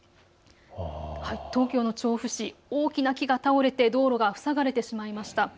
東京の調布市、大きな木が倒れて道路が塞がれてしまいました。